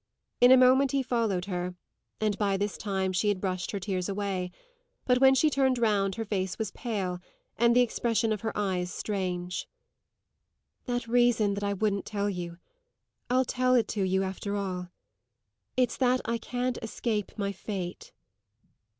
In a moment he followed her, and by this time she had brushed her tears away; but when she turned round her face was pale and the expression of her eyes strange. "That reason that I wouldn't tell you I'll tell it you after all. It's that I can't escape my fate."